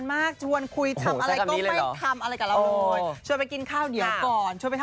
เป็นยังไงป่ะค่ะการชีวิต